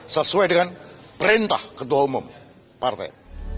sesuai dengan perintah ketua umum partai